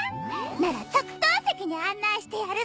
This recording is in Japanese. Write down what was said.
なら特等席に案内してやるさ。